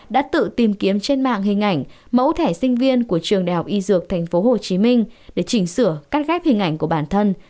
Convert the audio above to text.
đã tự tìm kiếm trên mạng hình ảnh mẫu thẻ sinh viên của trường đại học y dược tp hcm để chỉnh sửa cắt ghép hình ảnh của bản thân